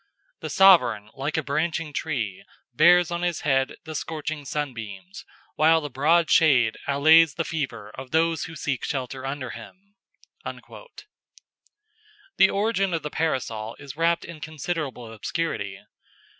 The sovereign, like a branching tree, bears on his head the scorching sunbeams, while the broad shade allays the fever of those who seek shelter under him.") The origin of the Parasol is wrapped in considerable obscurity.